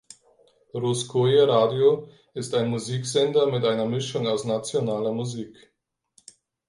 Russkoje Radio ist ein Musiksender mit einer Mischung aus nationaler Musik.